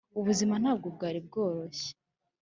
ubuzima ntabwo bwari bworoshye,